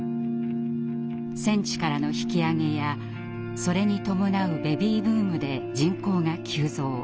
戦地からの引き揚げやそれに伴うベビーブームで人口が急増。